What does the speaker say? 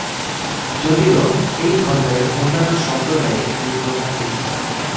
যদিও এই ধর্মের অন্যান্য সম্প্রদায়ে এই প্রথা নেই।